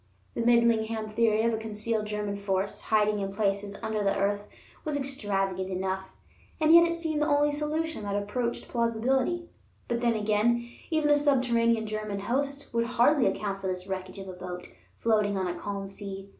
The Midlingham theory of a concealed German force, hiding in places under the earth, was extravagant enough, and yet it seemed the only solution that approached plausibility; but then again even a subterranean German host would hardly account for this wreckage of a boat, floating on a calm sea.